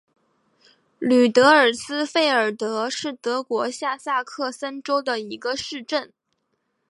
吕德尔斯费尔德是德国下萨克森州的一个市镇。